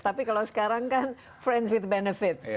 tapi kalau sekarang kan friends with benefit